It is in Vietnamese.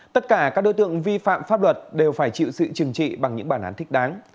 tất cả các đối tượng vi phạm pháp luật đều phải chịu sự trừng trị bằng những bản án thích đáng